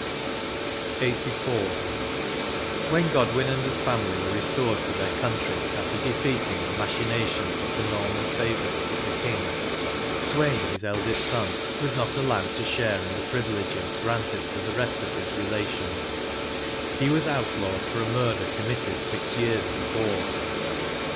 168 LXXXIV. When Godwin and his family were restored to their country and honours, after defeating the machina tions of the Norman favourites of the King, Sweyn, his eldest son, was not allowed to share in the privileges granted to the rest of his relations ; he was outlawed for a murder committed six years hefore.